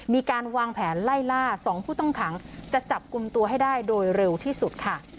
มีการวางแผนไล่ล่า๒ผู้ต้องขังจะจับกลุ่มตัวให้ได้โดยเร็วที่สุดค่ะ